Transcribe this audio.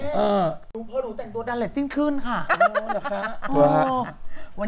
เพราะหนูแต่งตัวดันเย็นขึ้นค่ะ